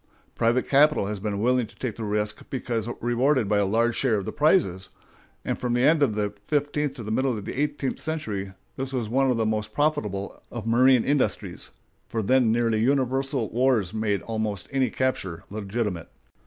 Private capital has been willing to take the risk because rewarded by a large share of the prizes; and from the end of the fifteenth to the middle of the eighteenth century this was one of the most profitable of marine industries, for then nearly universal wars made almost any capture legitimate.